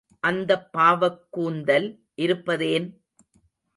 அந்தப் பாவக் கூந்தல் இருப்பதேன்?